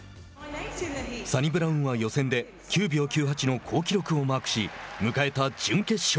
サニブラウンは予選で９秒９８の好記録をマークし迎えた準決勝。